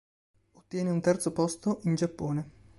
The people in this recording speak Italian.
Ottiene un terzo posto in Giappone.